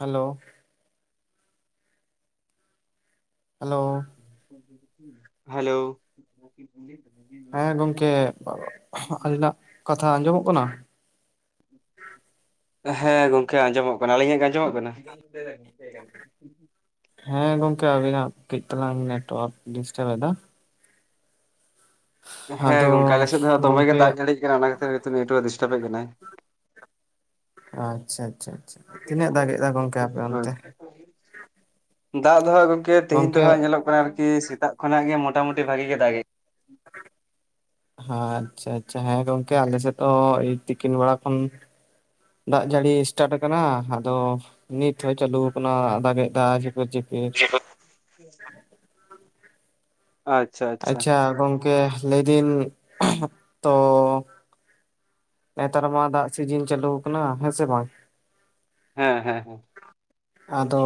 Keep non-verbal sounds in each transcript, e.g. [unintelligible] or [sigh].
Hello hello hello ᱞ [inaudible] ᱦᱮᱸ ᱜᱚᱢᱠᱮ ᱟᱹᱞᱤᱱᱟᱜ ᱠᱟᱛᱷᱟ ᱟᱸᱡᱚᱢᱚᱜ ᱠᱟᱱᱟ, ᱦᱮᱸ ᱜᱚᱝᱠᱮ ᱟᱸᱡᱚᱢᱚᱜ ᱠᱟᱱᱟ ᱟᱹᱞᱤᱧᱟᱜ ᱟᱸᱡᱚᱢᱚᱜ ᱠᱟᱱᱟ ᱦᱮᱸ ᱜᱚᱝᱠᱮ ᱟᱵᱤᱱᱟᱜ ᱠᱟᱹᱡ ᱛᱟᱞᱟᱝ ᱱᱮᱴᱚᱣᱟᱨᱠ ᱰᱤᱥᱴᱟᱵ ᱮᱫᱟ, ᱟᱫᱚ ᱦᱮᱸ ᱜᱚᱝᱠᱮ ᱟᱞᱮᱥᱮᱫ ᱫᱚ ᱦᱚᱸ ᱫᱚᱢᱮ ᱜᱮ ᱜᱚᱝᱠᱮ ᱫᱟᱜ ᱡᱟᱹᱲᱤ ᱠᱟᱱᱟ ᱚᱱᱟ ᱠᱷᱟᱹᱛᱤᱨ ᱱᱤᱛᱚᱜ ᱱᱮᱴᱚᱣᱟᱨᱠ ᱰᱤᱥᱴᱟᱵ ᱮᱫ ᱠᱟᱱᱟᱭ, ᱟᱪᱪᱷᱟ ᱟᱪᱪᱷᱟ ᱟᱪᱪᱷᱟ ᱛᱤᱱᱟᱹᱜ ᱫᱟᱜᱮᱫ ᱫᱟ ᱜᱚᱝᱠᱮ ᱟᱯᱮ ᱦᱳᱭ ᱚᱱᱛᱮ, ᱫᱟᱜ ᱫᱚ ᱦᱟᱸᱜ ᱜᱚᱝᱠᱮ ᱛᱮᱤᱦᱤᱧ ᱫᱚ ᱦᱟᱸᱜ ᱧᱮᱞᱚᱜ ᱠᱟᱱᱟ, ᱳᱭ ᱟᱨᱠᱤ ᱥᱮᱛᱟᱜ ᱠᱷᱚᱱᱟᱜ ᱜᱮ ᱢᱚᱴᱟ ᱢᱩᱴᱤ ᱵᱷᱟᱜᱤ ᱜᱮ ᱫᱟᱜᱮᱜᱼᱟ᱾ ᱟᱪᱪᱷᱟ ᱟᱪᱪᱷᱟ ᱦᱮᱸ ᱜᱚᱝᱠᱮ ᱟᱞᱮᱥᱮᱫ ᱫᱚ ᱟᱭᱮᱜ ᱛᱤᱠᱤᱱ ᱵᱮᱲᱟ ᱠᱷᱚᱱ ᱫᱟᱜ ᱡᱟᱹᱲᱤ ᱥᱴᱟᱴ ᱟᱠᱟᱱᱟ ᱟᱫᱚ, ᱱᱤᱛ ᱦᱚᱸᱭ ᱪᱟᱹᱟᱞᱩ ᱠᱟᱱᱟ ᱫᱟᱜ ᱫᱟᱜ ᱮᱫᱟᱭ ᱡᱷᱤᱯᱤᱨ ᱡᱷᱤᱯᱤ, ᱟᱪᱪᱷᱟ ᱟᱪᱪᱷᱟ ᱜᱚᱝᱠᱮ ᱞᱟᱹᱭᱫᱤᱧ ᱛᱚ, ᱱᱮᱛᱟᱨ ᱢᱟ ᱫᱟᱜ ᱥᱤᱡᱤᱱ ᱪᱟᱹᱞᱩ ᱠᱟᱱᱟ ᱦᱮᱸ ᱥᱮ ᱵᱟᱝ? ᱦᱮᱸ ᱦᱮᱸ ᱦᱮᱸ ᱟᱫᱚ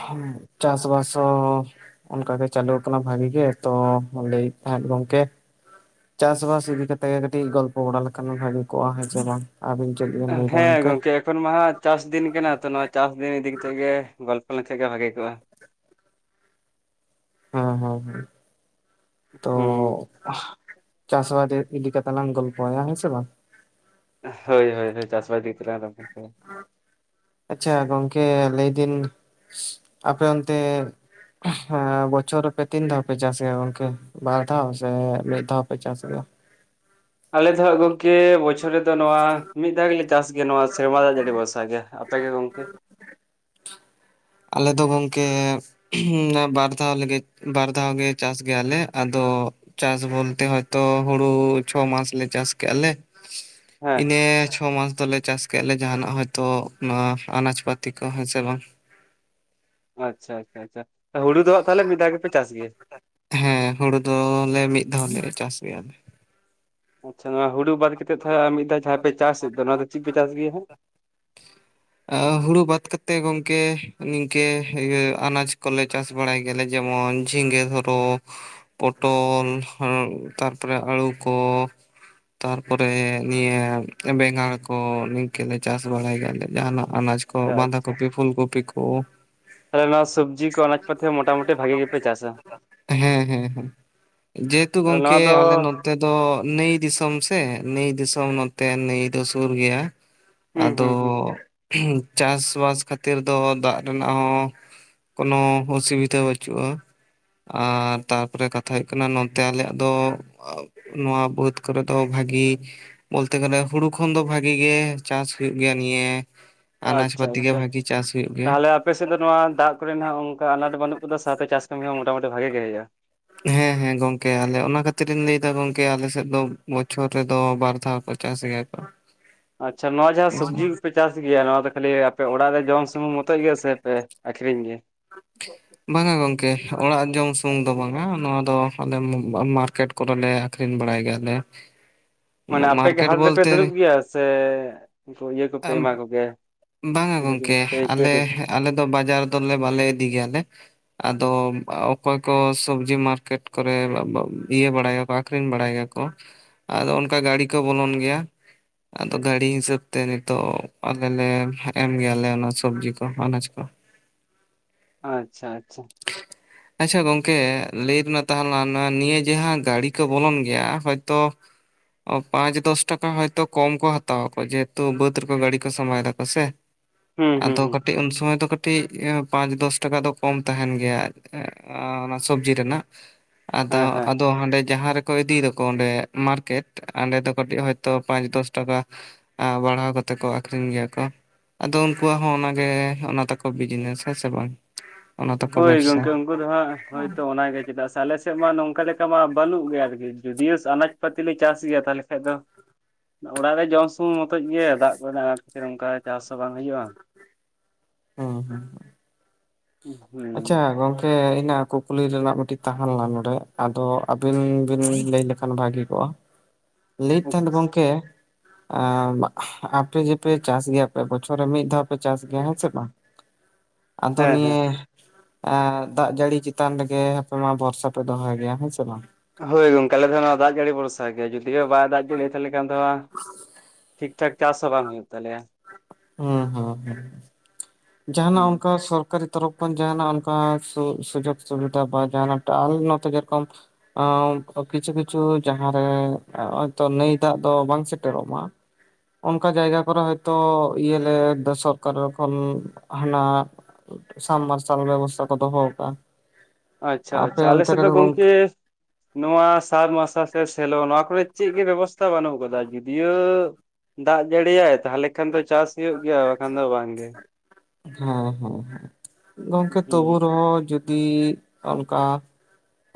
ᱦᱮᱸ ᱪᱟᱥᱵᱟᱥ ᱦᱚᱸ ᱚᱱᱠᱟᱜᱮ ᱪᱟᱹᱟᱞᱩ ᱟᱠᱟᱱᱟ ᱵᱷᱟᱜᱤ ᱜᱮ ᱛᱚ ᱞᱟᱹᱭᱮᱫ ᱛᱟᱦᱮᱸᱫ ᱜᱚᱝᱠᱮ ᱪᱟᱥᱵᱟᱥ ᱤᱫᱤ ᱠᱟᱛᱮᱜ ᱜᱮ ᱠᱟᱹᱴᱤᱡ ᱜᱚᱞᱯᱚ ᱵᱟᱲᱟ ᱞᱮᱠᱷᱟᱱ ᱵᱷᱟᱹᱜᱤ ᱠᱚᱜᱼᱟ ᱦᱮᱸ ᱥᱮ ᱵᱟᱝ ᱟᱵᱤᱱ ᱦᱮᱸ ᱜᱚᱝᱠᱮ ᱛᱚ ᱱᱚᱣᱟ ᱪᱟᱥ ᱫᱤᱱ ᱠᱟᱱᱟ ᱛᱚ ᱱᱚᱣᱟ ᱪᱟᱥ ᱫᱤᱱ ᱤᱫᱤ ᱠᱟᱛᱮᱫ ᱜᱮ ᱜᱚᱞᱯᱚ ᱞᱮᱱᱠᱷᱟ ᱜᱮ ᱵᱷᱟᱜᱮ ᱠᱚᱜᱼᱟ, ᱦᱮᱸ ᱦᱮᱸ ᱦᱮᱸ ᱛᱚ, ᱦᱩᱸ ᱪᱟᱥᱵᱟᱫ ᱤᱫᱤ ᱠᱟᱛᱞᱟᱟᱝ ᱜᱚᱞᱯᱚᱭᱟ ᱥᱮ ᱵᱟᱝ? ᱦᱳᱭ ᱦᱳᱭ ᱦᱳᱭ ᱪᱟᱥ ᱵᱟᱫ ᱤᱫᱤ ᱠᱟᱛᱮᱞᱟᱝ ᱜᱚᱞᱯᱚᱭᱟ᱾ ᱟᱪᱪᱷᱟ ᱜᱚᱝᱠᱮ ᱞᱟᱹᱭᱫᱤᱱ ᱟᱯᱮ ᱚᱱᱛᱮ ᱦᱮᱸ ᱵᱚᱪᱷᱚᱨ ᱨᱮ ᱯᱮ ᱛᱤᱱ ᱫᱷᱟᱣ ᱯᱮ ᱪᱟᱥᱟ ᱜᱚᱝᱠᱮ? ᱵᱟᱨ ᱫᱷᱟᱣ ᱥᱮ ᱢᱤᱫ ᱫᱷᱟᱣ ᱯᱮ ᱪᱟᱥᱜᱮᱭᱟ? ᱟᱞᱮ ᱫᱚ ᱦᱟᱸᱜ ᱜᱚᱝᱠᱮ ᱵᱚᱪᱷᱚᱨ ᱨᱮᱫᱚ ᱱᱚᱣᱟ ᱢᱤᱫ ᱫᱷᱟᱣ ᱜᱮᱞᱮ ᱼᱼ ᱪᱟᱥ ᱜᱮ ᱱᱚᱣᱟ ᱥᱮᱨᱢᱟ ᱫᱟᱜ ᱡᱟᱹᱲᱤ ᱵᱷᱚᱨᱥᱟ ᱜᱮ᱾ ᱟᱯᱮ ᱜᱮ ᱜᱚᱢᱠᱮ? ᱟᱞᱮ ᱫᱚ ᱜᱚᱢᱠᱮ ᱼᱼ ᱚᱱᱟ ᱵᱟᱨ ᱫᱷᱟᱣ ᱞᱮ ᱜᱮ ᱵᱟᱨ ᱫᱷᱟᱣ ᱜᱮ ᱪᱟᱥ ᱜᱮᱭᱟᱞᱮ। ᱟᱫᱚ ᱼᱼ ᱪᱟᱥ ᱵᱚᱞᱛᱮ ᱦᱚᱭᱛᱚ ᱦᱩᱲᱩ ᱪᱷᱚ ᱢᱟᱥ ᱞᱮ ᱪᱟᱥ ᱠᱮᱜᱼᱟ ᱞᱮ ᱼᱼ ᱦᱮᱸ ᱤᱱᱟᱹ ᱪᱷᱚ ᱢᱟᱥ ᱫᱚᱞᱮ ᱪᱟᱥ ᱼᱼ ᱠᱮᱜᱼᱟ ᱞᱮ ᱡᱟᱦᱟᱱᱟᱜ ᱦᱚᱭᱛᱚ ᱱᱚᱣᱟ ᱟᱱᱟᱡᱽ ᱯᱟᱹᱛᱤ ᱠᱚ ᱦᱮᱸ ᱥᱮ ᱵᱟᱝ। ᱟᱪᱪᱷᱟ ᱟᱪᱪᱷᱟ ᱟᱪᱪᱷᱟ ᱦᱩᱲᱩ ᱫᱚ ᱦᱟᱸᱜ ᱛᱟᱦᱟᱞᱮ ᱢᱤᱫ ᱫᱷᱟᱣ ᱜᱮᱯᱮ ᱪᱟᱥ ᱜᱮᱭᱟ? ᱦᱮᱸ ᱦᱩᱲᱩ ᱫᱚᱞᱮ ᱢᱤᱫᱫᱷᱟᱣᱞᱮ ᱪᱟᱥ ᱜᱮᱭᱟ ᱞᱮ। ᱟᱪᱪᱷᱟ ᱱᱚᱣᱟ ᱦᱩᱲᱩ ᱵᱟᱫ ᱠᱟᱛᱮᱫ ᱛᱟᱦᱟᱞᱮ ᱟᱨ ᱢᱤᱫ ᱫᱷᱟᱣ ᱡᱟᱦᱟᱸ ᱯᱮ ᱪᱟᱥᱮᱫ ᱫᱚ ᱱᱚᱣᱟ ᱫᱚ ᱪᱮᱫ ᱯᱮ ᱪᱟᱥ ᱜᱮᱭᱟ ᱦᱟᱸᱜ? ᱟᱻ ᱦᱩᱲᱩ ᱵᱟᱫ ᱠᱟᱛᱮ ᱜᱚᱝᱠᱮ ᱱᱤᱝᱠᱟᱹ ᱤᱭᱟᱹ ᱟᱱᱟᱡ ᱠᱚᱞᱮ ᱼᱼ ᱪᱟᱥ ᱵᱟᱲᱟᱭ ᱜᱮᱭᱟᱞᱮ ᱡᱮᱢᱚᱱ ᱡᱷᱤᱸᱜᱟᱹ ᱫᱷᱚᱨᱚ, ᱯᱚᱴᱚᱞ ᱛᱟᱨ ᱯᱚᱨᱮ ᱟᱹᱲᱩ ᱠᱚ ᱛᱯᱚᱨᱮ ᱱᱤᱭᱟᱹ ᱵᱮᱸᱜᱟᱲ ᱠᱚ ᱱᱤᱝᱠᱟᱹᱮ ᱪᱟᱥ ᱵᱟᱲᱟᱭ ᱜᱮᱭᱟᱞᱮ ᱡᱟᱦᱟᱱᱟᱜ ᱟᱱᱟᱡ ᱠᱚ ᱵᱟᱸᱫᱷᱟ ᱟᱪᱪᱷᱟ ᱠᱚᱯᱤ ᱯᱷᱩᱞ ᱠᱚᱯᱤ ᱠᱚ, ᱛᱟᱦᱚᱞᱮ ᱱᱚᱣᱟ ᱥᱚᱵᱽᱡᱤ ᱠᱚ ᱟᱱᱟᱡ ᱯᱟᱛᱮ ᱦᱚᱸ ᱢᱚᱴᱟ ᱢᱩᱴᱤ ᱵᱷᱟᱜᱤ ᱜᱮᱯᱮ ᱪᱟᱥᱟ? ᱦᱮᱸ ᱦᱮᱸ ᱦᱮᱸ ᱡᱮᱦᱮᱛᱩ ᱛᱟᱦᱚᱞᱮ ᱱᱚᱣᱟ ᱜᱚᱢᱠᱮ ᱫᱚ ᱟᱞᱮ ᱱᱚ ᱛᱮ ᱫᱚ ᱱᱟᱹᱭ ᱫᱤᱥᱚᱢ ᱥᱮ ᱱᱟᱹᱭ ᱫᱤᱥᱚᱢ ᱱᱚᱛᱮ ᱱᱟᱹᱭ ᱫᱚ ᱥᱩᱨ ᱜᱮᱭᱟ। ᱦᱩᱸ ᱟᱫᱚ ᱦᱩᱸ ᱦᱩᱸ ᱪᱟᱥᱵᱟᱥ ᱠᱷᱟᱹᱛᱤᱨ ᱫᱚ ᱫᱟᱜ ᱨᱮᱱᱟᱜ ᱦᱚᱸ ᱼᱼ ᱠᱳᱱᱳ ᱚᱥᱩᱵᱤᱫᱷᱟ ᱵᱟᱹᱪᱩᱜᱼᱟ᱾ ᱟᱨ ᱛᱟᱨᱯᱚᱨᱮ ᱠᱟᱛᱷᱟ ᱦᱩᱭᱩᱜ ᱠᱟᱱᱟ ᱱᱚᱱᱛᱮ ᱟᱞᱮᱭᱟᱜ ᱫᱚ ᱱᱚᱣᱟ ᱵᱟᱹᱫ ᱠᱚᱨᱮ ᱼᱼ ᱛᱚ ᱵᱷᱟᱜᱤ ᱵᱚᱞᱛᱮ ᱜᱮᱞᱮ ᱦᱩᱲᱩ ᱠᱷᱚᱱ ᱫᱚ ᱵᱷᱟᱜᱤ ᱜᱮ ᱪᱟᱥ ᱦᱩᱭᱩᱜ ᱜᱮᱭᱟ ᱱᱤᱭᱟᱹ ᱼᱼ ᱟᱱᱟᱡ ᱟᱪᱪᱷᱟ ᱯᱟᱛᱤ ᱜᱮ ᱟᱪᱪᱷᱟ ᱵᱷᱟᱜᱤ ᱪᱟᱥ ᱦᱩᱭᱩᱜ ᱜᱮᱭᱟ। ᱛᱟᱦᱚᱞᱮ ᱟᱯᱮ ᱥᱮᱫ ᱫᱚ ᱱᱚᱣᱟ ᱫᱟᱜ ᱠᱚᱨᱮ ᱱᱟᱦᱟᱜ ᱚᱱᱠᱟ ᱟᱱᱟᱴ ᱫᱚ ᱵᱟᱹᱱᱩᱜ ᱟᱠᱟᱫᱟ ᱥᱟᱶᱛᱮ ᱪᱟᱥ ᱠᱟᱹᱢᱤ ᱦᱚᱸ ᱢᱚᱴᱟᱢᱩᱴᱤ ᱵᱷᱟᱜᱮ ᱜᱮ ᱦᱩᱭᱩᱜᱼᱟ। ᱦᱮᱸ ᱦᱮᱸ ᱜᱚᱝᱠᱮ ᱟᱞᱮ ᱚᱱᱟ ᱠᱷᱟᱹᱛᱤᱨᱤᱧ ᱞᱟᱹᱭ ᱮᱫᱟ ᱜᱚᱝᱠᱮ ᱟᱞᱮᱥᱮᱫ ᱫᱚ ᱵᱚᱪᱷᱚᱨ ᱨᱮᱫᱚ ᱵᱟᱨ ᱫᱷᱟᱣ ᱠᱚ ᱼᱼ ᱪᱟᱥ ᱜᱮᱭᱟ ᱠᱚ। ᱟᱪᱪᱷᱟ ᱱᱚᱣᱟ ᱡᱟᱦᱟᱸ ᱥᱚᱵᱡᱤ ᱠᱚᱯᱮ ᱼᱼ ᱪᱟᱥ ᱜᱮᱭᱟ ᱱᱚᱣᱟ ᱫᱚ ᱠᱷᱟᱹᱞᱤ ᱟᱯᱮ ᱚᱲᱟᱜ ᱨᱮ ᱡᱚᱢ ᱥᱩᱢᱩᱢ ᱢᱚᱛᱚᱡ ᱜᱮ ᱥᱮ ᱯᱮ ᱟᱠᱷᱨᱤᱧ ᱜᱮᱭᱟ? ᱵᱟᱝᱟ ᱜᱚᱝᱠᱮ ᱚᱲᱟᱜ ᱡᱚᱢ ᱥᱩᱢᱩᱝ ᱫᱚ ᱵᱟᱝᱟ᱾ ᱱᱚᱣᱟ ᱫᱚ ᱼᱼ ᱟᱞᱮ [inaudible] ᱢᱟᱨᱠᱮᱴ ᱠᱚᱨᱮᱞᱮ ᱟᱠᱷᱨᱤᱧ ᱵᱟᱲᱟᱭ ᱜᱮᱭᱟᱞᱮ। ᱢᱟᱱᱮ ᱟᱯᱮᱜᱮ ᱢᱟᱨᱠᱮᱴ ᱦᱟᱴ ᱨᱮᱯᱮ ᱫᱩᱲᱩᱵ ᱵᱚᱞᱛᱮ ᱜᱮᱭᱟ ᱥᱮ ᱩᱱᱠᱩ ᱤᱭᱟᱹ ᱠᱚᱯᱮ ᱮᱢᱟ ᱠᱚᱜᱮᱭᱟ? ᱵᱟᱝᱟ ᱪᱤᱞᱤ ᱜᱚᱝᱠᱮ ᱟᱞᱮ ᱠᱚ ᱟᱞᱮ ᱫᱚ ᱵᱟᱡᱟᱨ ᱫᱚᱞᱮ ᱵᱟᱞᱮ ᱤᱫᱤ ᱜᱮᱭᱟᱞᱮ। ᱟᱫᱚ ᱚᱠᱚᱭ ᱠᱚ ᱥᱚᱵᱡᱤ ᱢᱟᱨᱠᱮᱴ ᱠᱚᱨᱮ ᱟᱰᱟᱰ [unintelligible] ᱤᱭᱟᱹ ᱵᱟᱲᱟᱭᱟᱠᱚ ᱟᱠᱷᱨᱤᱧ ᱵᱟᱲᱟᱭ ᱜᱮᱭᱟᱠᱚ᱾ ᱟᱫᱚ ᱚᱱᱠᱟ ᱜᱟᱹᱰᱤ ᱠᱚ ᱵᱚᱞᱚᱱ ᱜᱮᱭᱟ। ᱟᱫᱚ ᱜᱟᱹᱰᱤ ᱦᱤᱥᱟᱹᱵᱽ ᱛᱮ ᱱᱤᱛᱚᱜ ᱟᱞᱮ ᱞᱮᱢ ᱮᱢ ᱜᱮᱭᱟᱞᱮ ᱚᱱᱟ ᱥᱚᱵᱽᱡᱤ ᱠᱚ ᱟᱱᱟᱡᱽ ᱠᱚ। ᱟᱪᱪᱷᱟ ᱟᱪᱪᱷᱟ [inaudible] ᱟᱪᱪᱷᱟ ᱜᱚᱝᱠᱮ ᱞᱟᱹᱭ ᱢᱮ ᱛᱟᱦᱟᱞᱮ ᱱᱤᱭᱟᱹ ᱡᱟᱦᱟᱸ ᱜᱟᱲᱤ ᱠᱚ ᱵᱚᱞᱚᱱ ᱜᱮᱭᱟ᱾ ᱦᱚᱭᱛᱳ ᱼᱼ ᱚ ᱯᱟᱸᱪ ᱫᱚᱥ ᱴᱟᱠᱟ ᱦᱚᱭᱛᱚ ᱠᱚᱢ ᱠᱚ ᱦᱟᱛᱟᱣᱟ ᱠᱚ᱾ ᱡᱮᱦᱮᱛᱩ ᱵᱟᱹᱫᱽ ᱨᱮᱠᱚ ᱜᱟᱹᱰᱤ ᱠᱚ ᱥᱟᱢᱟᱣ ᱫᱟᱠᱚ ᱥᱮ। ᱦᱩᱸ ᱦᱩᱸ ᱟᱫᱚ ᱦᱩᱸ ᱠᱟᱹᱴᱤᱡ ᱩᱱ ᱥᱚᱢᱚᱭ ᱫᱚ ᱠᱟᱹᱴᱤᱡ ᱮᱸ ᱯᱟᱸᱪ ᱫᱚᱥ ᱴᱟᱠᱟ ᱫᱚ ᱠᱚᱢ ᱛᱟᱦᱮᱱ ᱜᱮᱭᱟ ᱮᱸᱜ ᱟ ᱚᱱᱟ ᱥᱚᱵᱡᱤ ᱨᱮᱱᱟᱜ। ᱟᱫᱚ ᱦᱮᱸ ᱦᱮᱸ ᱟᱫᱚ ᱦᱟᱸᱰᱮ ᱡᱟᱦᱟᱸ ᱨᱮ ᱠᱚ ᱤᱫᱤᱭ ᱫᱟᱠᱚ ᱚᱸᱰᱮ ᱢᱟᱨᱠᱮᱴ᱾ ᱚᱸᱰᱮ ᱫᱚ ᱠᱟᱹᱴᱤᱡ ᱦᱚᱭᱛᱚ ᱯᱟᱸᱪ ᱫᱚᱥ ᱴᱟᱠᱟ ᱟ ᱵᱟᱲᱦᱟᱣ ᱠᱟᱛᱮ ᱠᱚ ᱟᱠᱷᱨᱤᱧ ᱜᱮᱭᱟ ᱠᱚ ᱟᱫᱚ ᱩᱱᱠᱩᱣᱟᱜ ᱦᱚᱸ ᱚᱱᱟᱜᱮ ᱚᱱᱟ ᱛᱟᱠᱚ ᱵᱤᱡᱽ ᱱᱮᱥ ᱦᱮᱸ ᱥᱮ ᱵᱟᱝ? ᱚᱱᱟ ᱛᱟᱠᱚ ᱦᱳᱭ ᱵᱮᱵᱽᱥᱟ ᱜᱚᱝᱠᱮ ᱩᱱᱠᱩ ᱫᱚ ᱦᱟᱸᱜ ᱦᱳᱭᱛᱚ ᱚᱱᱟ ᱜᱮ ᱪᱮᱫᱟᱜ ᱥᱮ ᱟᱞᱮᱥᱮᱫ ᱢᱟ ᱱᱚᱝᱠᱟ ᱞᱮᱠᱟ ᱢᱟ ᱵᱟᱹᱱᱩᱜ ᱜᱮᱭᱟ ᱟᱨᱠᱤ ᱡᱩᱫᱤᱭᱳ ᱟᱱᱟᱡ ᱯᱟᱹᱛᱤ ᱞᱮ ᱪᱟᱥ ᱜᱮᱭᱟ ᱛᱟᱦᱟᱞᱮ ᱠᱷᱟᱡ ᱫᱚ ᱚᱲᱟᱜ ᱨᱮ ᱡᱚᱢ ᱥᱩᱢᱩᱝ [inaudible] ᱢᱚᱛᱚᱡ ᱜᱮ ᱫᱟᱜ ᱠᱚᱨᱮ ᱱᱟᱜ ᱟᱱᱟᱴ ᱠᱷᱟᱹᱛᱤᱨ ᱚᱱᱠᱟ ᱪᱟᱥ ᱦᱚᱸ ᱵᱟᱝ ᱦᱩᱭᱩᱜᱼᱟ। ᱦᱮᱸ ᱦᱮᱸ ᱦᱮᱸ ᱟᱪᱪᱷᱟ ᱦᱩᱸ ᱜᱚᱝᱠᱮ ᱯᱮ ᱤᱧᱹ ᱠᱩᱠᱞᱤ ᱨᱮᱱᱟᱜ ᱢᱤᱫᱴᱤᱡ ᱛᱟᱦᱮᱸ ᱞᱮᱱᱟ ᱱᱚᱰᱮ ᱟᱫᱚ ᱟᱹᱵᱤᱱ ᱵᱤᱱ ᱞᱟᱹᱭ ᱞᱮᱠᱷᱟᱱ ᱵᱷᱟᱜᱤ ᱠᱚᱜᱼᱟ। [inaudible] ᱞᱟᱹᱭᱮᱫ ᱛᱟᱦᱮᱸᱫ ᱜᱚᱝᱠᱮ ᱟᱯᱮ ᱡᱮᱯᱮ ᱪᱟᱥ ᱜᱮᱭᱟ ᱯᱮ᱾ ᱵᱚᱪᱷᱚᱨ ᱨᱮ ᱢᱤᱫ ᱫᱷᱟᱣ ᱪᱟᱥ ᱜᱮᱭᱟ ᱦᱮᱸ ᱥᱮ ᱵᱟᱝ ᱟᱫᱚ ᱦᱮᱸ ᱦᱮᱸ ᱱᱤᱭᱟᱹ ᱫᱟᱜ ᱡᱟᱹᱲᱤ ᱪᱮᱛᱟᱱ ᱨᱮᱜᱮ ᱟᱯᱮ ᱢᱟ ᱵᱷᱚᱨᱥᱟ ᱯᱮ ᱫᱚᱦᱚᱭ ᱜᱮᱭᱟ ᱦᱮᱸ ᱥᱮ ᱵᱟᱝ ᱦᱳᱭ ᱜᱚᱝᱠᱮ ᱟᱞᱮᱫᱚ ᱚᱱᱟ ᱫᱟᱜ ᱡᱟᱹᱲᱤ ᱵᱷᱚᱨᱥᱟ ᱜᱮᱭᱟ ᱡᱩᱫᱤ ᱵᱟᱭ ᱫᱟᱜ ᱡᱟᱹᱲᱤ ᱛᱟᱦᱚᱞᱮ ᱠᱷᱟᱱ ᱫᱚ ᱴᱷᱤᱠ ᱴᱷᱟᱠ ᱪᱟᱥ ᱦᱚᱸ ᱵᱟᱝ ᱦᱩᱭᱩᱜ ᱛᱟᱞᱮᱭᱟ ᱦᱩ ᱦᱩ ᱦᱩ ᱦᱩᱸ ᱡᱟᱦᱟᱱᱟᱜ ᱚᱱᱠᱟ ᱥᱚᱨᱠ ᱥᱚᱨᱠᱟᱨᱤ ᱛᱚᱨᱚᱯᱷ ᱠᱷᱚᱱ ᱡᱟᱦᱟᱱᱟᱜ ᱚᱱᱠᱟ ᱥᱩᱡᱳᱜᱽ ᱥᱩᱵᱤᱫᱷᱟ ᱵᱟ ᱡᱟᱦᱱᱟᱜ ᱟᱞᱮ ᱱᱚᱛ ᱠᱤᱪᱷᱩ ᱠᱤᱪᱷᱩ ᱡᱟᱦᱟᱸᱨᱮ ᱛᱚ ᱱᱟᱹᱭ ᱫᱟᱜ ᱫᱚ ᱵᱟᱝ ᱥᱮᱴᱮᱨᱚᱜ ᱢᱟ ᱚᱱᱠᱟ ᱡᱟᱭᱜᱟ ᱠᱚᱨᱮ ᱦᱚᱭᱛᱳ ᱤᱭᱟᱹ ᱞᱮ ᱥᱚᱨᱠᱟᱨᱟ ᱠᱷᱚᱱ ᱦᱟᱱᱟ ᱥᱟᱢ ᱢᱟᱨᱥᱟᱞ ᱵᱮᱵᱚᱥᱛᱟ ᱠᱚ ᱫᱚᱦᱚᱣ ᱠᱟᱜᱼᱟ ᱟᱪᱪᱷᱟ ᱟᱪᱪᱷᱟ ᱟᱞᱮ ᱥᱮᱫ ᱫᱚ ᱜᱚᱝᱠᱮ ᱱᱚᱣᱟ ᱥᱟᱵ ᱢᱟᱨᱟᱥᱟ ᱥᱮ ᱥᱮᱞᱚ ᱱᱚᱣᱟ ᱠᱚᱨᱮ ᱪᱮᱫ ᱜᱮ ᱵᱮᱵᱚᱥᱛᱷᱟ ᱵᱟᱹᱱᱩᱜ ᱟᱠᱟᱫᱟ ᱡᱩᱫᱤᱭᱳ ᱫᱟᱜ ᱡᱟᱹᱲᱤᱭᱟᱭ ᱛᱟᱦᱚᱞᱮ ᱠᱷᱟᱱ ᱫᱚ ᱪᱟᱥ ᱦᱩᱭᱩᱜ ᱜᱮᱭᱟ ᱵᱟᱠᱷᱟᱱ ᱫᱚ ᱵᱟᱝᱜᱮ ᱦᱮᱸ ᱦᱮᱸ ᱦᱮᱸ ᱜᱚᱝᱠᱮ ᱦᱩᱸ ᱛᱚᱵᱩ ᱨᱮᱦᱚ ᱚᱱᱠᱟ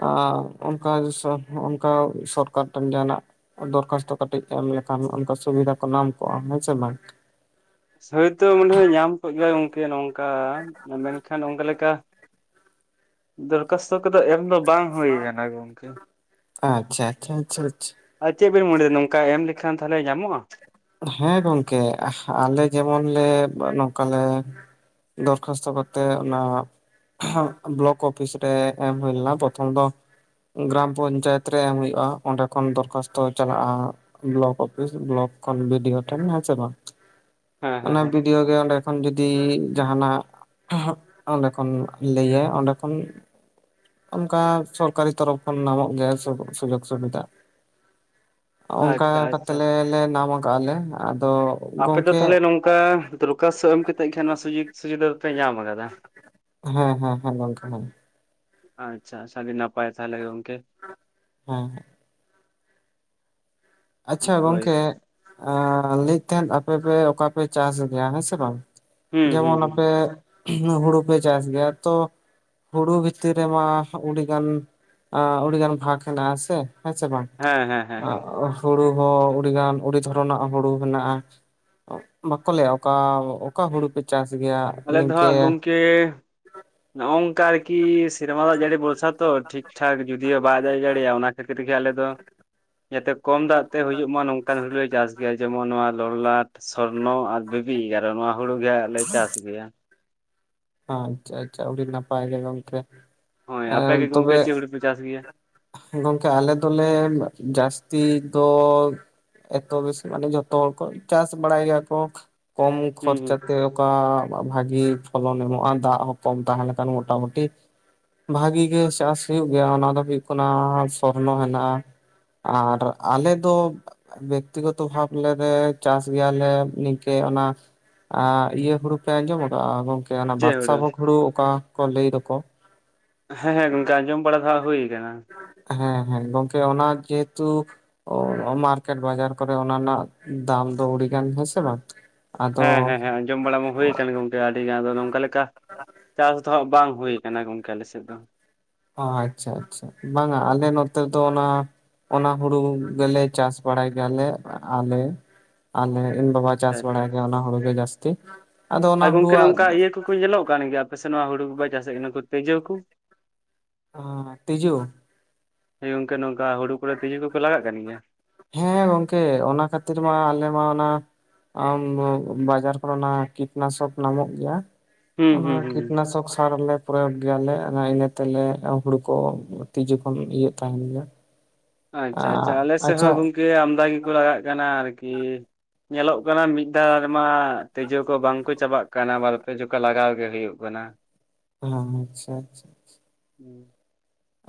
ᱟᱨ ᱚᱱᱠᱟ ᱚᱱᱠᱟ ᱥᱚᱨᱠᱟᱨ ᱴᱷᱮᱱ ᱡᱟᱦᱟᱱᱟᱜ ᱫᱚᱨᱠᱷᱟᱥᱛᱚ ᱠᱟᱹᱴᱤᱡ ᱮᱢ ᱞᱮᱠᱷᱟᱱ ᱚᱱᱠᱟ ᱥᱩᱵᱤᱫᱷᱟ ᱠᱚ ᱧᱟᱢ ᱠᱚᱜᱼᱟ ᱦᱮᱸ ᱥᱮ ᱵᱟᱝ ᱦᱳᱭᱛᱳ ᱢᱟᱱᱮᱦᱚᱭ ᱧᱟᱢ ᱠᱚᱜ ᱜᱮᱭᱟᱭ ᱜᱚᱝᱠᱮ ᱱᱚᱝᱠᱟ ᱚᱱ ᱢᱮᱱᱠᱷᱟᱱ ᱚᱱᱠᱟ ᱞᱮᱠᱟ ᱫᱚᱨᱠᱷᱟᱥᱛᱚ ᱠᱚᱫᱚ ᱮᱢ ᱫᱚ ᱵᱟᱝ ᱦᱩᱭ ᱠᱟᱱᱟ ᱜᱚᱝᱠᱮ ᱟᱪᱪᱷᱟ ᱟᱪᱪᱷᱟ ᱟᱪᱪᱷᱟ ᱟᱪᱪᱷᱟ ᱟᱨ ᱪᱮᱫ ᱵᱤᱱ ᱢᱚᱱᱮᱭᱮᱫᱟ ᱱᱚᱝᱠᱟ ᱮᱢ ᱞᱮᱠᱷᱟᱱ ᱛᱟᱦᱚᱞᱮ ᱧᱟᱢᱚᱜᱼᱟ ᱦᱮᱸ ᱜᱚᱝᱠᱮ ᱟᱞᱮ ᱡᱮᱢᱚᱱ ᱞᱮ ᱱᱚᱝᱠᱟᱞᱮ ᱫᱚᱨᱠᱷᱟᱥᱛᱚ ᱠᱚᱛᱮ ᱚᱱᱟ ᱵᱞᱚᱠ ᱚᱯᱷᱤᱥ ᱨᱮ ᱮᱢ ᱦᱩᱭ ᱞᱮᱱᱟ ᱯᱨᱚᱛᱷᱚᱢ ᱫᱚ ᱜᱨᱟᱢ ᱯᱚᱧᱪᱟᱭᱮᱛ ᱨᱮ ᱮᱢ ᱦᱳᱭᱳᱜᱼᱟ ᱚᱸᱰᱮ ᱠᱷᱚᱱ ᱫᱚᱨᱠᱷᱟᱥᱛᱚ ᱪᱟᱞᱟᱜᱼᱟ ᱵᱞᱚᱠ ᱚᱯᱷᱤᱥ ᱵᱞᱚᱠ ᱠᱷᱚᱱ ᱵᱤᱰᱤᱛ ᱴᱷᱮᱱ ᱦᱚᱸ ᱪᱟᱞᱟᱜ ᱦᱮᱸ ᱦᱮᱸ ᱚᱱᱟ ᱦᱮᱸ ᱵᱤᱰᱤᱛ ᱚᱸᱰᱮ ᱠᱷᱚᱱ ᱡᱩᱫᱤ ᱡᱟᱦᱱᱟᱜ ᱚᱸᱰᱮ ᱠᱷᱚᱱ ᱞᱟᱹᱭᱟ ᱚᱸᱰᱮ ᱠᱷᱚᱱ ᱚᱱᱠᱟ ᱥᱚᱨᱠᱟᱨᱤ ᱛᱚᱨᱚᱯᱷ ᱠᱷᱚᱱ ᱧᱟᱢᱚᱜ ᱜᱮᱭᱟ ᱥᱩᱡᱳᱜᱽ ᱥᱩᱵᱤᱫᱷᱟ ᱚᱱᱠᱟ ᱟᱪᱪᱷᱟ ᱟᱪᱪᱷᱟ ᱠᱟᱛᱮᱜ ᱞᱮ ᱶᱟᱢ ᱠᱟᱶᱟ ᱞᱮ ᱟᱫᱚ ᱜᱚᱝᱠᱮ ᱠᱟ ᱫᱚᱨᱠᱟᱥᱛᱷ ᱮᱢᱠᱟᱛᱮᱫ ᱠᱷᱟᱱ ᱚᱱᱟ ᱥᱩᱡᱳᱜᱽ ᱥᱩᱡᱤᱫᱷᱟ ᱫᱚ ᱯᱮ ᱧᱟᱢ ᱟᱠᱟᱫᱟ ᱦᱮᱸᱦᱮᱸᱦᱮᱸ ᱜᱚᱝᱠᱮ ᱟᱪᱪᱷᱟ ᱟᱴᱷᱤ ᱱᱟᱯᱟᱭ ᱛᱟᱦᱚᱞᱮ ᱜᱚᱝᱠᱮ ᱦᱮᱸ ᱟᱪᱪᱷᱟ ᱦᱳᱭ ᱜᱚᱝᱠᱮ ᱞᱟᱹᱭᱮᱫ ᱛᱟᱦᱮᱸᱱ ᱟᱯᱮ ᱯᱮ ᱚᱠᱟ ᱯᱮ ᱪᱟᱥ ᱜᱮᱭᱟ ᱦᱮᱸ ᱥᱮ ᱵᱟᱝ ᱦᱩᱸ ᱦᱩᱸ ᱡᱮᱢᱚᱱ ᱦᱩᱸ ᱟᱯᱮ ᱦᱩᱲᱩ ᱯᱮ ᱪᱟᱥ ᱜᱮᱭᱟ ᱛᱚ᱾ ᱦᱩᱲᱩ ᱵᱷᱤᱛᱤᱨ ᱨᱮᱢᱟ ᱟᱹᱰᱤ ᱜᱟᱱ ᱟᱹᱰᱤ ᱜᱟᱱ ᱵᱷᱟᱜᱽ ᱦᱮᱱᱟᱜ ᱦᱮᱸ ᱥᱮ ᱵᱟᱝ ᱦᱮᱸ ᱦᱮᱸ ᱦᱮᱸ ᱦᱮᱸ ᱦᱩᱲᱩ ᱦᱚᱸ ᱟᱹᱰᱤᱜᱟᱱ ᱟᱹᱰᱤ ᱫᱷᱚᱨᱚᱱᱟᱜ ᱦᱩᱲᱩ ᱢᱮᱱᱟᱜᱼᱟ᱾ ᱵᱟᱠᱚ ᱞᱟᱹᱭᱟ ᱚᱠᱟ ᱚᱠᱟ ᱦᱩᱲᱩ ᱯᱮ ᱪᱟᱥ ᱜᱮᱭᱟ ᱟᱞᱮ ᱫᱚ ᱦᱟᱜ ᱱᱤᱝᱠᱟᱹ ᱜᱚᱝᱠᱮ ᱱᱚ ᱚᱱᱠᱟ ᱟᱨᱠᱤ ᱥᱮᱨᱢᱟ ᱫᱟᱜ ᱡᱟᱹᱲᱤ ᱵᱷᱚᱨᱥᱟ ᱛᱚ ᱴᱷᱤᱠ ᱴᱷᱟᱠ ᱡᱩᱫᱤᱭᱳ ᱵᱟᱭ ᱫᱟᱜ ᱫᱟᱲᱮᱭᱟᱜᱼᱟ ᱚᱱᱟ ᱠᱷᱟᱹᱛᱤᱨ ᱜᱮ ᱟᱞᱮ ᱫᱚ [inaudible] ᱡᱟᱛᱮ ᱠᱚᱢ ᱫᱟᱜ ᱛᱮ ᱦᱩᱭᱩᱜ ᱢᱟ ᱱᱚᱝᱠᱟᱱ ᱦᱩᱲᱩ ᱞᱮ ᱪᱟᱥ ᱜᱮᱭᱟ ᱡᱮᱢᱚᱱ ᱱᱚᱣᱟ ᱞᱚᱞᱟᱴ ᱥᱚᱨᱱᱚ ᱟᱨ ᱵᱤᱵᱤ ᱮᱜᱟᱨ ᱟᱨ ᱱᱚᱣᱟ ᱦᱩᱲᱩ ᱜᱮ ᱦᱟᱸᱜ ᱞᱮ ᱪᱟᱥ ᱜᱮᱭᱟ᱾ ᱟᱪᱪᱷᱟ ᱟᱪᱪᱷᱟ᱾ ᱟᱵᱤ ᱱᱟᱞᱟᱶ ᱜᱮ ᱜᱚᱝᱠᱮ ᱦᱳᱭ ᱟᱯᱮ ᱜᱮ ᱮᱸ ᱜᱚᱝᱠᱮ ᱛᱚᱵᱮ ᱪᱮ ᱦᱩᱵᱬᱩ ᱯᱮ ᱪᱟᱥ ᱜᱮᱭᱟ? ᱜᱚᱝᱠᱮ ᱟᱞᱮ ᱫᱚᱞᱮ ᱡᱟᱹᱥᱛᱤ ᱫᱚ ᱮᱛᱚ ᱵᱮᱥ ᱢᱟᱱᱮ ᱡᱚᱛᱚ ᱦᱚᱲ ᱠᱚ ᱪᱟᱥ ᱵᱟᱲᱟᱭ ᱜᱮᱭᱟ ᱠᱚ᱾ ᱠᱚᱢ ᱦᱩᱸ ᱦᱩᱸ ᱠᱷᱚᱨᱪᱟ ᱛᱮ ᱚᱠᱟ ᱵᱷᱟᱜᱤ ᱯᱷᱚᱞᱚᱱ ᱧᱟᱢᱚᱜ ᱼᱟ ᱫᱟᱜ ᱦᱚᱸ ᱠᱚᱢ ᱛᱟᱦᱮᱸᱱᱠᱷᱟᱱ ᱢᱚᱴᱟᱢᱩᱴᱤ ᱵᱷᱟᱹᱜᱤ ᱜᱮ ᱪᱟᱥ ᱦᱳᱭᱳ ᱜᱮᱭᱟ ᱚᱱᱟ ᱫᱚ ᱦᱳᱭᱳᱜ ᱠᱟᱱᱟ ᱥᱚᱨᱱᱚ ᱦᱮᱱᱟᱜᱼᱟ ᱟᱨ ᱟᱞᱮ ᱫᱚ ᱵᱮᱠᱛᱤᱜᱚᱛᱚ ᱵᱷᱟᱵ ᱞᱮᱨᱮ ᱪᱟᱥ ᱜᱮᱭᱟᱞᱮ ᱱᱤᱝᱠᱟᱹ ᱚᱱᱟ ᱟ ᱤᱭᱟᱹ ᱦᱩᱲᱩ ᱯᱮ ᱟᱸᱡᱚᱢ ᱠᱟᱜᱼᱟ ᱜᱚᱝᱠᱮ? ᱮ ᱚᱱᱟ ᱵᱟᱫᱥᱟ ᱵᱷᱳᱜ ᱦᱩᱲᱩ ᱚᱠᱟ ᱠᱚ ᱞᱟᱹᱭ ᱫᱟᱠᱚ ᱦᱮᱸ ᱦᱮᱸ ᱜᱚᱝᱠ ᱟᱸᱡᱚᱢ ᱵᱚᱲ ᱫᱷᱟᱶ ᱦᱩᱭ ᱠᱟᱱᱟ ᱦᱮᱸ ᱦᱮᱸ ᱜᱚᱝᱠᱮ ᱚᱱᱟ ᱡᱮᱦᱮᱛᱩ ᱚ ᱢᱟᱨᱠᱮᱴ ᱵᱟᱡᱟᱨ ᱠᱚᱨᱮ ᱚᱱᱟ ᱨᱮᱱᱟᱜ ᱫᱟᱢ ᱫᱚ ᱟᱰᱤᱜᱟᱱ ᱦᱮᱸ ᱥᱮ ᱵᱟᱝ ᱟᱫᱚ ᱦᱮᱸ ᱦᱮᱸ ᱦᱮᱸ ᱟᱡᱚᱢ ᱵᱟᱲᱟ ᱢᱟ ᱦᱩᱭ ᱠᱟᱱᱟ ᱜᱚᱝᱠᱮ ᱟᱹᱰᱤᱜᱟᱱ ᱫᱚ ᱱᱚᱝᱠᱟ ᱞᱮᱠᱟ ᱪᱟᱥ ᱫᱚ ᱦᱟᱸᱜ ᱵᱟᱝ ᱦᱩᱭ ᱠᱟᱱᱟ ᱜᱚᱝᱠᱮ ᱟᱞᱮ ᱥᱮᱫ ᱫᱚ᱾ ᱚ ᱟᱪᱪᱷᱟ ᱟᱪᱪᱷᱟ ᱵᱟᱝᱟ ᱟᱞᱮ ᱱᱚᱛᱮ ᱫᱚ ᱚᱱᱟ ᱚᱱᱟ ᱦᱩᱲᱩ ᱜᱮᱞᱮ ᱪᱟᱥ ᱵᱟᱲᱟᱭ ᱜᱮᱭᱟᱞᱮ ᱟᱞᱮ ᱟᱞᱮ ᱤᱧ ᱵᱟᱵᱟ ᱟᱪᱪᱷᱟ ᱪᱟᱥ ᱟᱪᱪᱷᱟ ᱵᱟᱲᱟᱭ ᱜᱮ ᱟᱪᱪᱷᱟ ᱚᱱᱟ ᱦᱩᱲᱩ ᱜᱮ ᱡᱟᱹᱥᱛᱤ᱾ ᱟᱫᱚ ᱚᱱᱟ ᱦᱩᱲᱩᱣᱟᱜ ᱠᱚ ᱧᱮᱞᱚᱜ ᱠᱟᱱ ᱜᱮᱭᱟ ᱟᱯᱮᱥᱮ ᱱᱚᱣᱟ ᱦᱩᱲᱩ ᱠᱚ ᱵᱟᱭ ᱪᱟᱥᱮᱫ ᱠᱟᱱᱟ ᱠᱚ ᱛᱤᱡᱩ ᱠᱚ? ᱚᱸ ᱛᱤᱡᱩ ᱦᱮᱸ ᱜᱚᱝᱠᱮ ᱱᱚᱝᱠᱟ ᱦᱩᱲᱩ ᱠᱚᱨᱮ ᱛᱤᱡᱩ ᱠᱚᱠᱚ ᱞᱟᱜ ᱠᱟᱱ ᱜᱮᱭᱟ᱾ ᱦᱮᱸ ᱜᱚᱢᱠᱮ ᱚᱱᱟ ᱠᱷᱟᱹᱛᱤᱨ ᱢᱟ ᱟᱞᱮ ᱢᱟ ᱚᱱᱟ ᱟᱢ ᱵᱟᱡᱟᱨ ᱠᱚᱨᱮᱱᱟᱜ ᱠᱤᱴᱱᱟᱥᱚᱠ ᱧᱟᱢᱚᱜ ᱜᱮᱭᱟ᱾ ᱦᱩᱸ ᱚᱱᱟ ᱦᱩᱸ ᱦᱩᱸ ᱠᱤᱴᱱᱟᱥᱚᱠ ᱥᱟᱨ ᱞᱮ ᱯᱩᱨᱟ. ᱜᱮᱞᱮ ᱚᱱᱟ ᱤᱱᱟᱹ ᱛᱮᱞᱮ ᱦᱩᱲᱩ ᱠᱚ ᱛᱤᱡᱩ ᱠᱷᱚᱱ ᱤᱭᱟᱹᱜ ᱛᱟᱦᱮᱱ ᱜᱮᱭᱟ᱾ ᱟᱪᱪᱷᱟ ᱟᱪᱪᱷᱟ᱾ᱟᱞᱮ ᱥᱮᱫ ᱟᱪᱪᱷᱟ ᱦᱚᱸ ᱜᱚᱝᱠᱮ ᱟᱢᱫᱟ ᱜᱮᱠᱚ ᱞᱟᱜᱟᱜ ᱠᱟᱱᱟ ᱟᱨᱠᱤ ᱧᱮᱞᱚᱜ ᱠᱟᱱᱟ ᱢᱤᱫ ᱢᱤᱫ ᱫᱷᱟᱣ ᱨᱮᱢᱟ ᱛᱤᱡᱩ ᱠᱚ ᱵᱟᱝ ᱠᱚ ᱪᱟᱵᱟᱜ ᱠᱟᱱᱟ ᱵᱟᱨᱯᱮ ᱡᱚᱠ ᱞᱟᱜᱟᱣ ᱜᱮ ᱦᱩᱭᱩᱜ ᱠᱟᱱᱟ᱾ ᱦᱮᱸ ᱦᱮᱸ ᱟᱪᱪᱷᱟ ᱟᱪᱪᱷᱟ ᱟᱪᱪᱷᱟ [inaudible]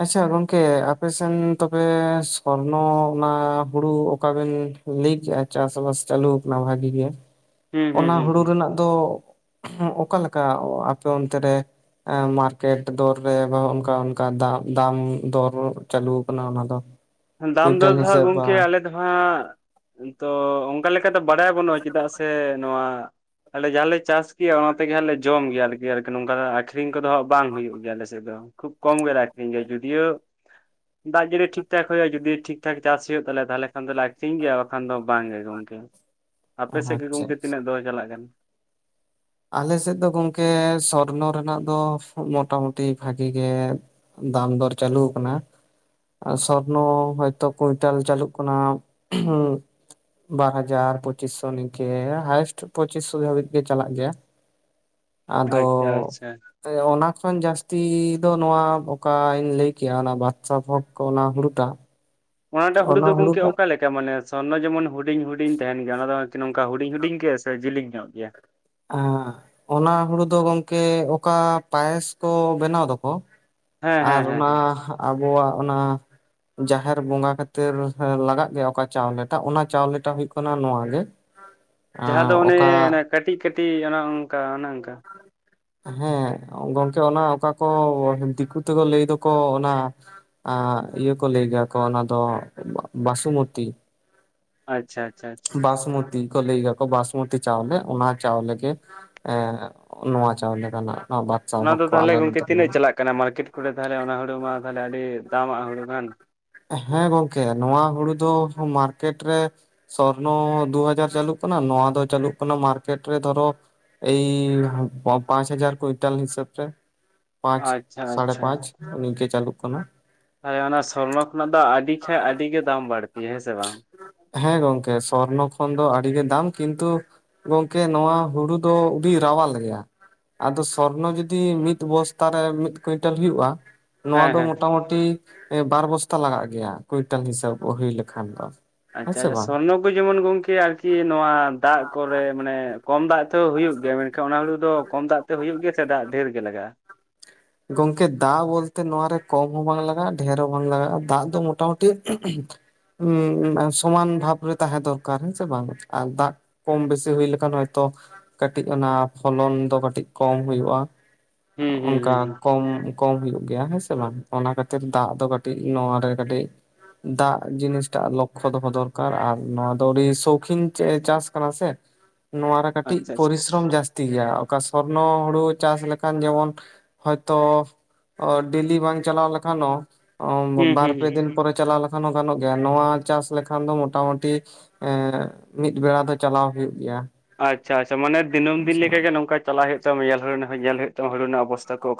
ᱟᱪᱪᱷᱟ ᱜᱚᱝᱠᱮ ᱟᱯᱮᱥᱮᱱ ᱛᱚᱵᱮ ᱥᱚᱨᱱᱚ ᱚᱱᱟ ᱦᱩᱲᱩ ᱚᱠᱟᱵᱮᱱ ᱞᱟᱹᱭ ᱠᱮᱭᱟ ᱪᱟᱥᱵᱟᱥ ᱪᱟᱹᱞᱩ ᱟᱠᱟᱱᱟ ᱵᱷᱟᱹᱜᱤ ᱜᱮᱭᱟ ᱦᱩᱸ ᱚᱱᱟ ᱦᱩᱸ ᱦᱩᱲᱩ ᱦᱩᱸ ᱨᱮᱱᱟᱜ ᱫᱚ ᱦᱚᱸ ᱚᱠᱟᱞᱮᱠᱟ ᱟᱯᱮ ᱚᱱᱛᱮ ᱨᱮ ᱮ ᱢᱟᱨᱠᱮᱴ ᱫᱚᱨ ᱨᱮ ᱱᱚᱜ-ᱚ ᱚᱱᱠᱟ ᱚᱱᱠᱟ ᱫᱟᱢ ᱫᱟᱢ ᱫᱚᱨ ᱪᱟᱹᱞᱩ ᱟᱠᱟᱱᱟ ᱚᱱᱟ ᱫᱚ ᱫᱟᱢ ᱫᱚᱨ ᱠᱩᱭᱤᱱᱴᱟᱞ ᱫᱷᱟ ᱦᱤᱥᱟᱹᱵ ᱵᱟ ᱜᱚᱢᱠᱮ ᱟᱞᱮ ᱫᱚ ᱦᱟᱸᱜ ᱛᱚ ᱚᱱᱠᱟ ᱞᱮᱠᱟᱛᱮ ᱵᱟᱲᱟᱭ ᱵᱟᱹᱱᱩᱜᱼᱟ ᱪᱮᱫᱟᱜ ᱥᱮ ᱱᱚᱣᱟ ᱟᱞᱮ ᱡᱟᱦᱟᱸᱞᱮ ᱪᱟᱥ ᱜᱮᱭᱟ ᱚᱱᱟ ᱛᱮᱜᱮ ᱦᱟᱸᱜ ᱞᱮ ᱡᱚᱢ ᱜᱮᱭᱟ ᱟᱨᱠᱤ ᱟᱨᱠᱤ ᱱᱚᱝᱠᱟ [inaudible] ᱟᱠᱷᱨᱤᱧ ᱠᱚᱫᱚ ᱦᱟᱜ ᱵᱟᱝ ᱦᱩᱭᱩᱜ ᱜᱮᱭᱟ ᱟᱞᱮᱥᱮᱫ ᱫᱚ ᱠᱷᱩᱵ ᱠᱚᱢ ᱜᱮᱞᱮ ᱟᱠᱷᱨᱤᱧ ᱜᱮᱭᱟ ᱡᱩᱫᱤᱭᱳ ᱫᱟᱜ ᱡᱟᱹᱲᱤ ᱴᱷᱤᱠ ᱴᱷᱤᱠ ᱴᱷᱟᱠ ᱦᱩᱭᱩᱜᱼᱟ ᱡᱩᱚᱫᱤ ᱴᱷᱤᱠ ᱴᱷᱟᱠ ᱪᱟᱥ ᱦᱩᱭᱩᱜ ᱛᱟᱞᱮ ᱛᱟᱦᱚᱞᱮ ᱠᱷᱟᱱ ᱫᱚ ᱟᱹᱠᱷᱨᱤᱧ ᱜᱮᱭᱟ ᱵᱟᱠᱷᱟᱱ ᱫᱚ ᱵᱟᱝ ᱜᱮ ᱜᱚᱝᱠᱮ᱾ ᱟᱯᱮ ᱟᱪᱪᱷᱟ ᱥᱮᱫ ᱜᱮ ᱟᱪᱪᱷᱟ ᱜᱚᱢᱠᱮ ᱛᱤᱱᱟᱹᱜ ᱫᱚᱨ ᱪᱟᱞᱟᱜ ᱠᱟᱱᱟ? ᱟᱞᱮ ᱥᱮᱫ ᱫᱚ ᱜᱚᱝᱠᱮ ᱥᱚᱨᱱᱚ ᱨᱮᱱᱟᱜ ᱫᱚ ᱢᱳᱴᱟᱢᱩᱴᱤ ᱵᱷᱟᱜᱤ ᱜᱮ ᱫᱟᱢ ᱫᱚᱨ ᱪᱟᱹᱞᱩ ᱟᱠᱟᱱᱟ ᱥᱚᱨᱱᱚ ᱦᱚᱭᱛᱚ ᱠᱩᱭᱤᱧᱴᱟᱞ ᱪᱟᱹᱞᱩᱜ ᱠᱟᱱᱟ ᱦᱩ ᱵᱟᱨ ᱦᱟᱡᱟᱨ ᱯᱚᱸᱪᱤᱥ ᱥᱚ ᱱᱤᱝᱠᱮ ᱦᱟᱭᱮᱥᱴ ᱯᱚᱸᱪᱤᱥ ᱥᱚ ᱦᱟᱹᱵᱤᱡ ᱜᱮ ᱪᱟᱞᱟᱜ ᱜᱮᱭᱟ ᱟᱫᱚ ᱟᱪᱪᱷᱟ ᱟᱪᱪᱷᱟ ᱮ ᱚᱱᱟ ᱠᱷᱚᱱ ᱡᱟᱹᱥᱛᱤ ᱫᱚ ᱱᱚᱣᱟ ᱚᱠᱟᱧ ᱞᱟᱹᱭ ᱠᱮᱭᱟ ᱚᱱᱟ ᱵᱟᱥᱛᱟ ᱵᱷᱚᱠᱽ ᱠᱚ ᱚᱱᱟ ᱦᱩᱲᱩᱴᱟᱜ ᱚᱱᱟᱴᱟᱜ ᱦᱩᱲᱩ ᱚᱱᱟ ᱫᱚ ᱜᱚᱝᱠᱮ ᱦᱩᱲᱩᱴᱟᱜ ᱚᱠᱟ ᱞᱮᱠᱟ ᱢᱟᱱᱮ ᱥᱚᱨᱱᱚ ᱡᱮᱢᱚᱱ ᱦᱩᱰᱤᱧ ᱦᱩᱰᱤᱧ ᱦᱩᱰᱤᱧ ᱛᱟᱦᱮᱱ ᱜᱮᱭᱟ ᱚᱱᱟ ᱫᱚ ᱱᱚᱝᱠᱟ ᱦᱩᱰᱤᱧ ᱦᱩᱰᱤᱧ ᱜᱮ ᱥᱮ ᱡᱮᱞᱤᱧ ᱧᱚᱜ ᱜᱮᱭᱟ ᱮ ᱚᱱᱟ ᱦᱩᱲᱩ ᱫᱚ ᱜᱚᱝᱠᱮ ᱚᱠᱟ ᱯᱟᱭᱮᱥ ᱠᱚ ᱵᱮᱱᱟᱣ ᱫᱚᱠᱚ ᱦᱮᱸ ᱟᱨ ᱦᱮᱸ ᱦᱮᱸ ᱚᱱᱟ ᱟᱵᱚᱣᱟᱜ ᱚᱱᱟ ᱡᱟᱦᱮᱨ ᱵᱚᱸᱜᱟ ᱠᱷᱟᱹᱛᱤᱨ ᱞᱟᱜᱟᱜ ᱜᱮᱭᱟ ᱚᱠᱟ ᱪᱟᱣᱞᱮᱴᱟᱜ ᱚᱱᱟ ᱪᱟᱣᱞᱮ ᱴᱟᱜ ᱦᱩᱭᱩᱜ ᱠᱟᱱᱟ ᱱᱚᱣᱟ ᱜᱮ [inaudible] ᱡᱟᱦᱟᱸ ᱫᱚ ᱚᱠᱟ ᱚᱱᱮ ᱠᱟᱹᱴᱤᱡ ᱠᱟᱹᱴᱤᱡ ᱚᱱᱮ ᱚᱱᱠᱟ ᱚᱱᱮ ᱚᱱᱠᱟ ᱦᱮᱸ ᱜᱚᱝᱠᱮ ᱚᱱᱟ ᱚᱠᱟ ᱠᱚ ᱫᱤᱠᱩ ᱛᱮᱠᱚ ᱞᱟᱹᱭ ᱫᱚᱠᱚ ᱚᱱᱟ ᱟᱜ ᱤᱭᱟᱹ ᱠᱚ ᱞᱟᱹᱭ ᱜᱮᱭᱟ ᱠᱚ ᱚᱱᱟ ᱫᱚ ᱵᱟᱥᱩᱢᱚᱛᱤ ᱟᱪᱪᱷᱟ ᱟᱪᱪᱷᱟ ᱟᱪᱪᱷᱟ ᱵᱟᱥᱢᱚᱛᱤ ᱠᱚ ᱞᱟᱹᱭ ᱭᱟᱠᱚ ᱵᱟᱥᱢᱚᱛᱤ ᱪᱟᱣᱞᱮ ᱚᱱᱟ ᱪᱟᱣᱞᱮ ᱜᱮ ᱮ ᱱᱚᱣᱟ ᱪᱟᱣᱞᱮ ᱠᱟᱱᱟ ᱱᱚᱣᱟ ᱚᱱᱟ ᱵᱟᱫᱥᱟᱦᱚᱵ ᱫᱚ ᱠᱚ ᱛᱟᱦᱚᱞᱮ ᱟᱞᱮ ᱜᱚᱝᱠᱮ ᱱᱚᱛᱮ ᱨᱮ ᱛᱤᱱᱟᱹᱜ ᱪᱟᱞᱟᱜ ᱠᱟᱱᱟ ᱢᱟᱨᱠᱮᱴ ᱠᱚᱨᱮ ᱛᱟᱦᱚᱞᱮ ᱚᱱᱟ ᱦᱩᱲᱩ ᱢᱟ ᱛᱟᱦᱚᱞᱮ ᱟᱹᱰᱤ ᱫᱟᱢᱟᱜ ᱦᱩᱲᱩ ᱠᱟᱱ ᱦᱮᱸ ᱜᱚᱝᱠᱮ ᱱᱚᱣᱟ ᱦᱩᱲᱩ ᱫᱚ ᱢᱟᱨᱠᱮᱴ ᱨᱮ ᱥᱚᱨᱱᱚ ᱫᱩ ᱦᱟᱡᱟᱨ ᱪᱟᱹᱞᱩᱜ ᱠᱟᱱᱟ ᱱᱚᱣᱟ ᱫᱚ ᱪᱟᱹᱞᱩᱜ ᱠᱟᱱᱟ ᱢᱟᱨᱠᱮᱴ ᱨᱮ ᱫᱷᱚᱨᱚ ᱮᱭ ᱯᱟᱸᱪ ᱦᱟᱡᱟᱨ ᱠᱩᱭᱤᱱᱴᱟᱞ ᱦᱤᱥᱟᱹᱵ ᱛᱮ ᱯᱟᱸᱪ ᱟᱪᱪᱷᱟ ᱥᱟᱲᱮ ᱟᱪᱪᱷᱟ ᱯᱟᱸᱪ ᱱᱤᱝᱠᱟᱹ ᱪᱟᱞᱩᱜ ᱠᱟᱱᱟ ᱦᱚᱭ ᱚᱱᱟ ᱥᱚᱨᱱᱚ ᱠᱷᱚᱱᱟᱜ ᱫᱚ ᱟᱹᱰᱤ ᱠᱷᱟᱱ ᱟᱹᱰᱤ ᱜᱮ ᱫᱟᱢ ᱵᱟᱹᱲᱛᱤᱭᱟ ᱦᱮᱸ ᱥᱮ ᱵᱟᱝ ᱦᱮᱸ ᱜᱚᱢᱠᱮ ᱥᱚᱨᱱᱚ ᱠᱷᱚᱱ ᱫᱚ ᱟᱹᱰᱤᱜᱮ ᱫᱟᱢ ᱠᱤᱱᱛᱩ ᱜᱚᱝᱠᱮ ᱱᱚᱣᱟ ᱦᱩᱲᱩ ᱫᱚ ᱟᱹᱰᱤ ᱨᱟᱣᱟᱞ ᱜᱮᱭᱟ ᱟᱫᱚ ᱥᱚᱨᱱᱚ ᱡᱩᱫᱤ ᱢᱤᱫ ᱵᱚᱥᱛᱟ ᱨᱮ ᱢᱤᱫ ᱠᱩᱭᱤᱱᱴᱟᱞ ᱦᱩᱭᱩᱜᱼᱟ ᱱᱚᱣᱟ ᱦᱮᱸ ᱫᱚ ᱦᱮᱸ ᱢᱚᱴᱟᱢᱩᱴᱤ ᱵᱟᱨ ᱵᱚᱥᱛᱟ ᱞᱟᱜᱟᱜ ᱜᱮᱭᱟ ᱠᱩᱭᱤᱱᱴᱟᱞ ᱦᱤᱥᱟᱹᱵ ᱦᱩᱭ ᱞᱮᱠᱷᱟᱱ ᱫᱚ ᱦᱮᱸ ᱟᱪᱪᱷᱟ ᱥᱮ ᱟᱪᱪᱷᱟ ᱵᱟᱝ ᱥᱚᱨᱱᱚ ᱠᱚ ᱡᱮᱢᱚᱱ ᱜᱚᱝᱠᱮ ᱟᱨᱠᱤ ᱱᱚᱣᱟ ᱫᱟᱜ ᱠᱚᱨᱮ ᱢᱟᱱᱮ ᱠᱚᱢ ᱫᱟᱜ ᱛᱮᱦᱚᱸ ᱦᱩᱭᱩᱜ ᱜᱮᱭᱟ ᱢᱮᱱᱠᱷᱟᱱ ᱚᱱᱟ ᱦᱩᱲᱩ ᱫᱚ ᱠᱚᱢ ᱫᱟᱜ ᱛᱮ ᱦᱩᱭᱩᱜ ᱜᱮᱭᱟ ᱥᱮ ᱫᱟᱜ ᱰᱷᱮᱨ ᱜᱮ ᱞᱟᱜᱟᱜᱼᱟ ᱜᱚᱢᱠᱮ ᱫᱟᱜ ᱵᱚᱞᱛᱮ ᱱᱚᱣᱟᱨᱮ ᱠᱚᱢ ᱦᱚᱸ ᱵᱟᱝ ᱞᱟᱜᱟᱜᱼᱟ ᱰᱷᱮᱨ ᱦᱚᱸ ᱵᱟᱝ ᱞᱟᱜᱟᱜᱼᱟ ᱫᱟᱜ ᱫᱚ ᱢᱚᱴᱟᱢᱩᱴᱤ ᱥᱚᱢᱟᱱ ᱵᱷᱟᱯᱨᱮ ᱛᱟᱦᱮᱸ ᱫᱚᱨᱠᱟᱨ ᱦᱮᱸ ᱥᱮ ᱵᱟᱝ ᱟᱨ ᱫᱟᱜ ᱠᱚᱢ ᱵᱮᱥᱤ ᱦᱩᱭ ᱞᱮᱠᱷᱟᱱ ᱦᱚᱭᱛᱳ ᱠᱟᱹᱴᱤᱡ ᱚᱱᱟ ᱯᱷᱚᱞᱚᱱ ᱫᱚ ᱠᱟᱹᱴᱤᱡ ᱠᱚᱢ ᱦᱩᱭᱩᱜᱼᱟ ᱦᱩᱸ ᱦᱩᱸ ᱚᱱᱠᱟ ᱦᱩᱸ ᱦᱩᱸ ᱠᱚᱢ ᱠᱚᱢ ᱦᱩᱭᱩᱜ ᱜᱮᱭᱟ ᱦᱮᱸ ᱥᱮ ᱵᱟᱝ ᱚᱱᱟ ᱠᱷᱟᱹᱛᱤᱨ ᱫᱟᱜ ᱫᱚ ᱠᱟᱹᱴᱤᱡ ᱱᱚᱣᱟ ᱨᱮ ᱠᱟᱹᱴᱤᱡ ᱫᱟᱜ ᱡᱤᱱᱤᱥᱴᱟᱜ ᱞᱚᱠᱠᱷᱚ ᱫᱚᱦᱚ ᱫᱚᱨᱠᱟᱨ ᱟᱨ ᱱᱚᱣᱟ ᱫᱚ ᱟᱹᱰᱤ ᱥᱳᱠᱷᱤᱱ ᱪᱟᱥ ᱠᱟᱱᱟ ᱥᱮ [inaudible] ᱱᱚᱣᱟ ᱨᱮ ᱠᱟᱹᱴᱤᱡ ᱟᱪᱪᱷᱟ ᱟᱪᱪᱷᱟ ᱯᱚᱨᱤᱥᱨᱚᱢ ᱡᱟᱹᱥᱛᱤ ᱜᱮᱭᱟ ᱚᱠᱟ ᱥᱚᱨᱱᱚ ᱦᱩᱲᱩ ᱪᱟᱥ ᱞᱮᱠᱷᱟᱱ ᱡᱮᱢᱚᱱ ᱦᱚᱭᱛᱚ ᱰᱮᱞᱤ ᱵᱟᱝ ᱪᱟᱞᱟᱣ ᱞᱮᱠᱷᱟᱱ ᱦᱚᱸ ᱦᱩᱸ ᱵᱟᱨ ᱦᱩᱸ ᱦᱩᱸ ᱯᱮ ᱫᱤᱱ ᱯᱚᱨᱮ ᱪᱟᱞᱟᱣ ᱞᱮᱠᱷᱟᱱ ᱜᱟᱱᱚᱜ ᱜᱮᱭᱟ ᱱᱚᱣᱟ ᱪᱟᱥ ᱞᱮᱠᱷᱟᱱ ᱫᱚ ᱢᱚᱴᱟᱢᱩᱴᱤ ᱮᱻ ᱢᱤᱫ ᱵᱮᱲᱟ ᱫᱚ ᱪᱟᱞᱟᱣ ᱦᱩᱭᱩᱜ ᱜᱮᱭᱟ ᱟᱪᱪᱷᱟ ᱟᱪᱪᱷᱟ ᱢᱟᱱᱮ ᱫᱤᱱᱟᱹᱢ ᱫᱤᱱ ᱞᱮᱠᱟ ᱜᱮ ᱱᱚᱝᱠᱟ ᱪᱟᱞᱟᱣ ᱦᱩᱭᱩᱜ ᱛᱟᱢᱟ ᱧᱮᱞ ᱦᱩᱭᱩᱜ ᱛᱟᱢᱟ ᱦᱩᱲᱩ ᱨᱮᱱᱟᱜ ᱚᱵᱚᱥᱛᱟ ᱠᱚ